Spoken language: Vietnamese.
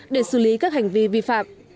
để xử lý các hành vi vi phạm